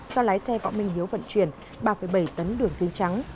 do lái xe võ minh hiếu vận chuyển ba bảy tấn đường kinh trắng